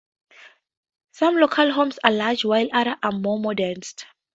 Some local homes are large, while others are more modest.